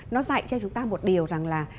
nó dạy cho chúng ta một điều rằng là